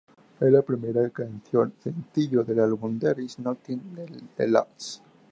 Es la primera canción y sencillo del álbum There Is Nothing Left to Lose.